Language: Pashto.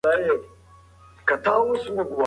مرګ د ارواح د بېلولو حکم دی.